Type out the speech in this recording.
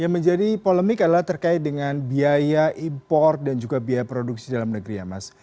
yang menjadi polemik adalah terkait dengan biaya impor dan juga biaya produksi dalam negeri ya mas